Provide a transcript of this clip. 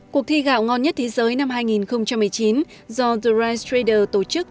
cuộc thi gạo ngon nhất thế giới năm hai nghìn một mươi chín do the ry trader tổ chức